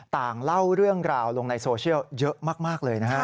ต่างเล่าเรื่องราวลงในโซเชียลเยอะมากเลยนะฮะ